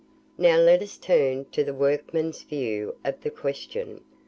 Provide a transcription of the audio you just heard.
Now let us turn to the workmen's view of the question.